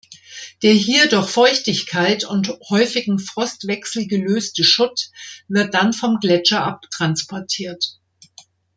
Der hier durch Feuchtigkeit und häufigen Frostwechsel gelöste Schutt wird dann vom Gletscher abtransportiert.